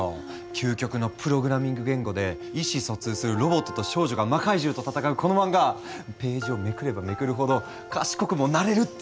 究極のプログラミング言語で意思疎通するロボットと少女が魔怪獣と戦うこの漫画ページをめくればめくるほど賢くもなれるっていう。